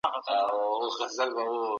ایا نوي کروندګر خندان پسته پروسس کوي؟